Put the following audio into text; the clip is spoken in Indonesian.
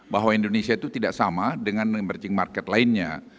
bahwa indonesia itu tidak sama dengan emerging market lainnya